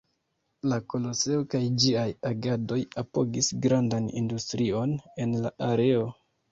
La Koloseo kaj ĝiaj agadoj apogis grandan industrion en la areo.